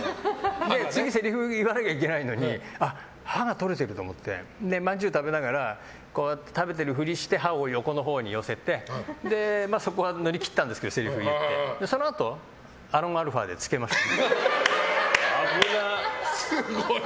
次せりふ言わなきゃいけないのに歯が取れてるって思ってまんじゅう食べながら食べてるふりして歯を横のほうに寄せてそこは乗り切ったんですけどそのあと危なっ！